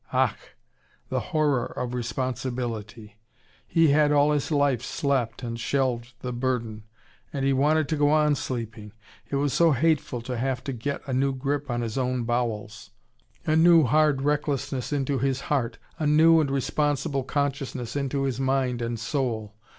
Ach, the horror of responsibility! He had all his life slept and shelved the burden. And he wanted to go on sleeping. It was so hateful to have to get a new grip on his own bowels, a new hard recklessness into his heart, a new and responsible consciousness into his mind and soul.